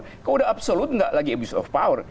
kalau udah absolut nggak lagi abuse of power